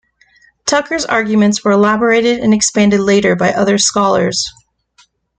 Tucker's arguments were elaborated and expanded later by other scholars.